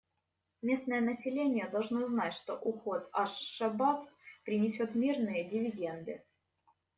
Местное население должно знать, что уход «Аш-Шабааб» принесет мирные дивиденды.